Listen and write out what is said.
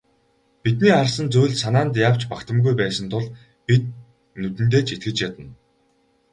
Бидний харсан зүйл санаанд яавч багтамгүй байсан тул бид нүдэндээ ч итгэж ядна.